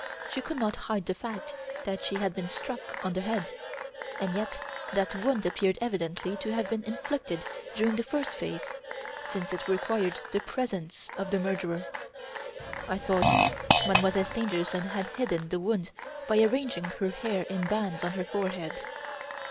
She could not hide the fact that she had been struck on the head, and yet that wound appeared evidently to have been inflicted during the first phase, since it required the presence of the murderer! I thought Mademoiselle Stangerson had hidden the wound by arranging her hair in bands on her forehead.